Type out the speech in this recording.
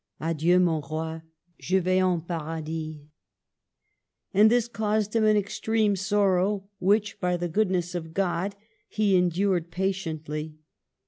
' [Adieti, mon Roy, je voys en Paradis /] and this caused him an extreme sorrow, which (by the goodness of God) he endured patiently.